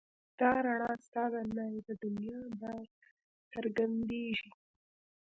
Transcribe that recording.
دا رڼا ستا د ناوې د دنيا درڅرګنديږي